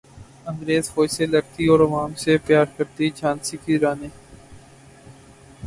انگریز فوج سے لڑتی اور عوام سے پیار کرتی جھانسی کی رانی